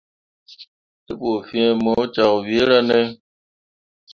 Te bu fin mu camme wira ne.